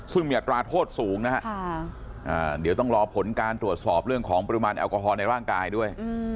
ซึ่งมีอัตราโทษสูงนะฮะเดี๋ยวต้องรอผลการตรวจสอบเรื่องของปริมาณแอลกอฮอลในร่างกายด้วย